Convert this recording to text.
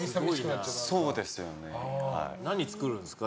何作るんですか？